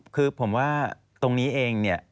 คือผมว่าตรงนี้เองเนี่ย